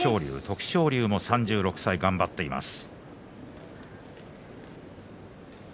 徳勝龍も３６歳、頑張っています。